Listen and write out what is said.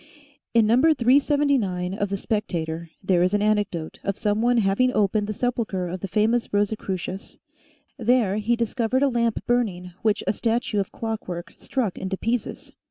In number 379 of the "Spectator" there is an anecdote of some one having opened the sepulcher of the famous Rosicrucius. There he discovered a lamp burning which a statue of clock work struck into pieces.